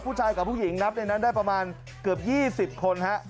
ผู้ชายกับผู้หญิงนับในนั้นได้ประมาณเกือบ๒๐คนฮะ